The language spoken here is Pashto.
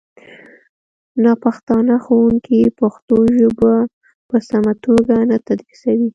ناپښتانه ښوونکي پښتو ژبه په سمه توګه نه تدریسوي